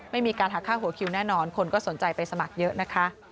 ไม่มีการหักค่าหัวคิวแน่นอนคนก็สนใจไปสมัครเยอะนะคะ